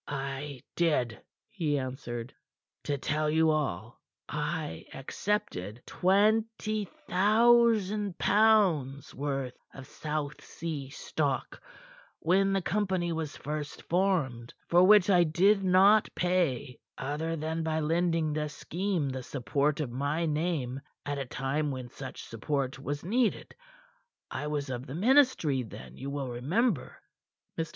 "I did," he answered. "To tell you all I accepted twenty thousand pounds' worth of South Sea stock when the company was first formed, for which I did not pay other than by lending the scheme the support of my name at a time when such support was needed. I was of the ministry, then, you will remember." Mr.